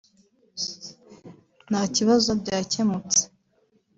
ntakibazo byakemutse